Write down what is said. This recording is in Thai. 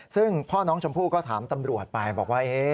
ซึ่งพ่อน้องชมพู่ก็ถามตำรวจไปบอกว่า